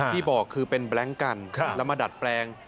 ที่บอกคือเป็นแบล็งกันแล้วมาดัดแปลง